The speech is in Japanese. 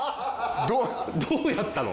どうやったの？